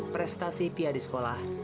pia sudah selesai menikmati tanaman yang menarik